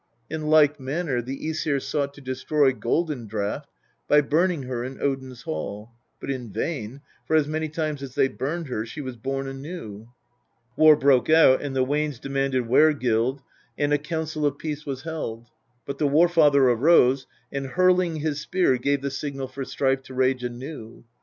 In like manner the JEsir sought to destroy Golden draught by burning her in Odin's hall ; but in vain, for as many times as they burned her she was born anew (p. liv.). War broke out and the Wanes demanded were gild, and a council of peace was helcl ; but the War father arose, and hurling his spear gave the signal for strife to rage anew.